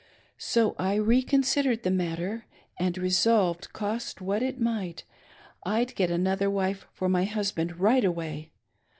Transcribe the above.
So I reconsidered the matter and resolved, cost what it might, I'd get another wife for my husband right away.